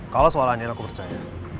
kalau soalnya aku percaya